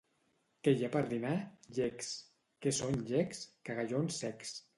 —Què hi ha per dinar? —Llecs —Què són llecs? —Cagallons secs.